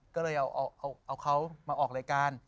ก็เลยเอาเขามาออกรายการ